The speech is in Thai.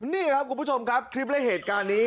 นี่ครับคุณผู้ชมครับคลิปและเหตุการณ์นี้